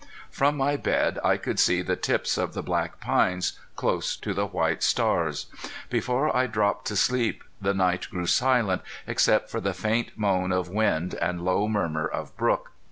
From my bed I could see the tips of the black pines close to the white stars. Before I dropped to sleep the night grew silent, except for the faint moan of wind and low murmur of brook.